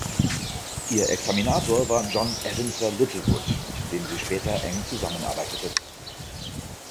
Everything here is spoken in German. Ihr Examinator war John Edensor Littlewood, mit dem sie später eng zusammenarbeitete.